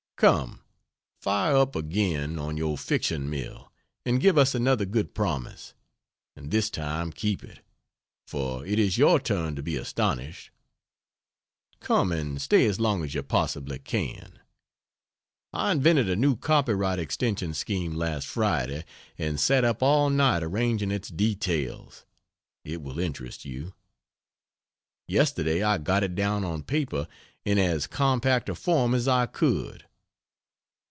Come, fire up again on your fiction mill and give us another good promise. And this time keep it for it is your turn to be astonished. Come and stay as long as you possibly can. I invented a new copyright extension scheme last Friday, and sat up all night arranging its details. It will interest you. Yesterday I got it down on paper in as compact a form as I could.